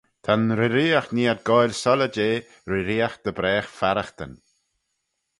Ta'n reeriaght nee ad goaill soylley jeh reeriaght dy bragh farraghtyn.